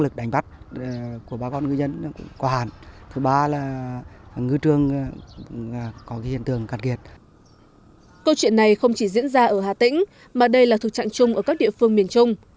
câu chuyện này không chỉ diễn ra ở hà tĩnh mà đây là thuộc trạng chung ở các địa phương miền trung